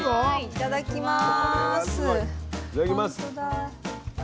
いただきます。